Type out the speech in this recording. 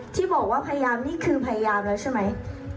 ที่บอกว่าพยายามนี่คือพยายามแล้วใช่ไหม